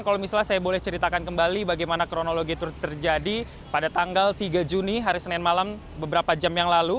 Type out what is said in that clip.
dan kalau misalnya saya boleh ceritakan kembali bagaimana kronologi itu terjadi pada tanggal tiga juni hari senin malam beberapa jam yang lalu